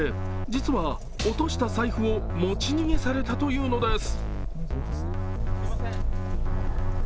実は落とした財布を持ち逃げされたというのです。